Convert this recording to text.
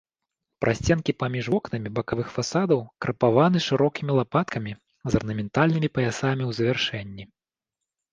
Прасценкі паміж вокнамі бакавых фасадаў крапаваны шырокімі лапаткамі з арнаментальнымі паясамі ў завяршэнні.